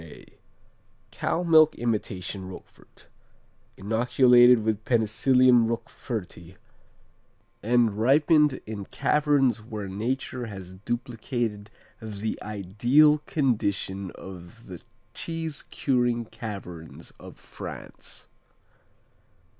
A_ Cow milk imitation Roquefort, inoculated with Penicillium Roqueforti and ripened in "caverns where nature has duplicated the ideal condition of the cheese curing caverns of France."